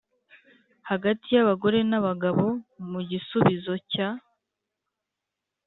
hagati y abagore n abagabo Mu gisubizo cya